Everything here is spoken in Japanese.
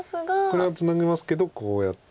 これはツナぎますけどこうやって。